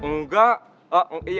iya enggak maksudnya tadi gini ya